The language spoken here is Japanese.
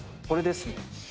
これですね。